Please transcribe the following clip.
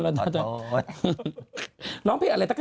ตะกะตั้งยกยก